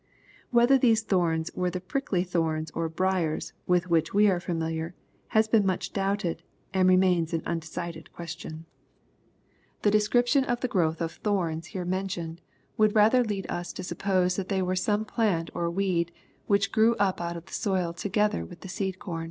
Whether those thorns w<^re the prickly thorns or briars, wiih which we are all fisimiliar, has been much doubted, and remains an undecided question. LUKE, CHAP. vra. 255 The description of the growth of the " thorns" here mentioned, would rather lead us to suppose that they were some plant or weed which grew up out of the soil together with the seed com.